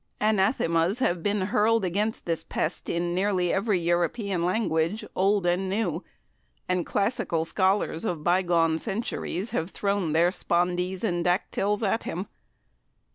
Anathemas have been hurled against this pest in nearly every European language, old and new, and classical scholars of bye gone centuries have thrown their spondees and dactyls at him.